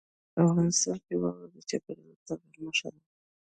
افغانستان کې واوره د چاپېریال د تغیر نښه ده.